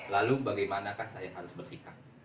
lalu bagaimanakah saya harus bersikap